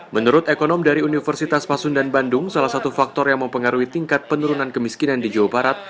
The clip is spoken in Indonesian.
menurut ekonom dari universitas pasundan bandung salah satu faktor yang mempengaruhi tingkat penurunan kemiskinan di jawa barat